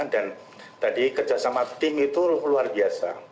dan tadi kerjasama tim itu luar biasa